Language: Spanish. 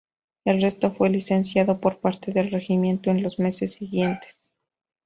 El resto fue licenciado por parte del regimiento en los meses siguientes.